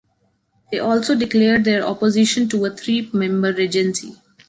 They also declared their opposition to a three-member regency.